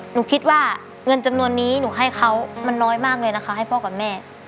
หนูคิดว่าเงินจำนวนนี้หนูให้เขามันน้อยมากเลยนะคะให้พ่อกับแม่